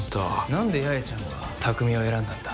何で、八重ちゃんは匠を選んだんだ。